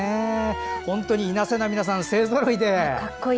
本当にいなせな皆さん勢ぞろいで。